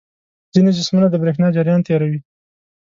ځینې جسمونه د برېښنا جریان تیروي.